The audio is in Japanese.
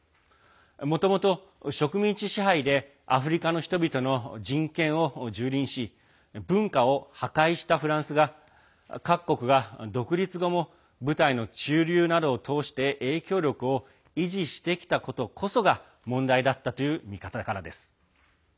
もともと植民地支配でアフリカの人々の人権をじゅうりんし文化を破壊したフランスが各国が独立後も部隊の駐留などを通して影響力を維持してきたことこそが問題だったという見方からです。